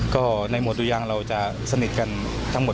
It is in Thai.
ก็ในหมวดดูยางเราจะสนิทกันทั้งหมด